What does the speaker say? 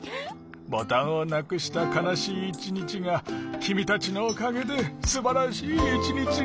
ボタンをなくしたかなしいいちにちがきみたちのおかげですばらしいいちにちなったよ。